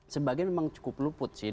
sebagian memang cukup luput sih